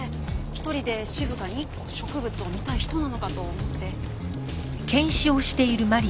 一人で静かに植物を見たい人なのかと思って。